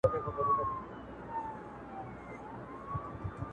• لکه جوړه له ګوهرو له الماسه -